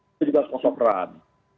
itu juga kosoferan